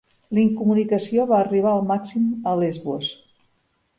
La incomunicació va arribar al màxim a Lesbos.